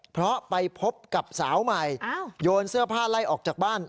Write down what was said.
เพราะไปพบกับสาวใหม่โยนเสื้อผ้าไล่ออกจากบ้าน